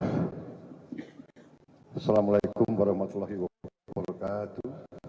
assalamu'alaikum warahmatullahi wabarakatuh